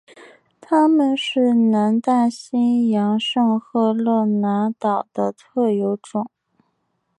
它们是南大西洋圣赫勒拿岛的特有种。